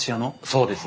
そうです。